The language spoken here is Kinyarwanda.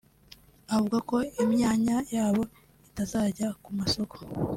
avuga ko imyanya yabo itazajya ku masoko